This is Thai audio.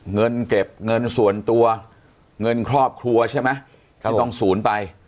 เงินเก็บเงินส่วนตัวเงินครอบครัวใช่ไหมที่ต้องศูนย์ไป